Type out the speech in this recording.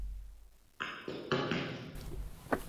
ambayo ilikuwa ni kutembea na fimbo au mkongojo